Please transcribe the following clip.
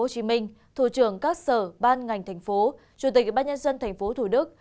hồ chí minh thủ trưởng các sở ban ngành thành phố chủ tịch ubnd tp thủ đức